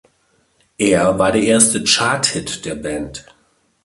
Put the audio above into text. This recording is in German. Er war der erste Charthit der Band.